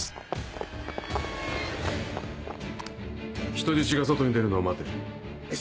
人質が外に出るのを待て。